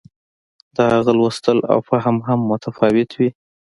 د هغه لوستل او فهم هم متفاوت وي.